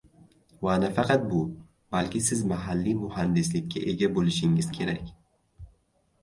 Va nafaqat bu, balki siz mahalliy muhandislikka ega boʻlishingiz kerak.